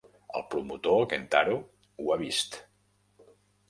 El promotor, Kentaro, ho ha vist.